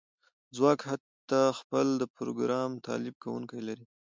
ځواک حتی خپل د پروګرام تالیف کونکی لري